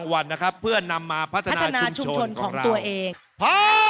เงินรางวัลนะครับเพื่อนำมาพัฒนาชุมชนของเรา